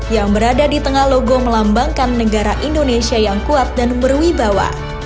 yang berada di tengah logo melambangkan negara indonesia yang kuat dan berwibawa